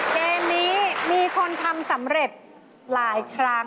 เกมนี้มีคนทำสำเร็จหลายครั้ง